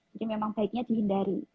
jadi memang baiknya dihindari